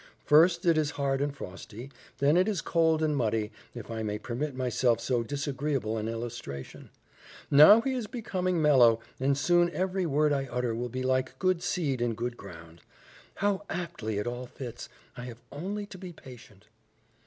First it is hard and frosty, then it is cold and muddy, if I may permit myself so disagreeable an illustration. Now he is becoming mellow, and soon every word I utter will be like good seed in good ground. How aptly it all fits! I have only to be patient."